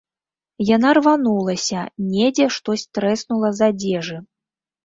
Яна рванулася, недзе штось трэснула з адзежы.